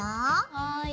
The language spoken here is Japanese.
はい。